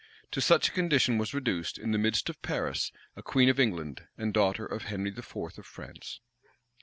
To such a condition was reduced, in the midst of Paris, a queen of England, and daughter of Henry IV. of France.